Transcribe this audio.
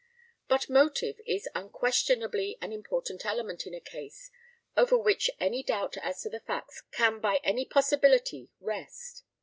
But motive is unquestionably an important element in a case over which any doubt as to the facts can by any possibility rest.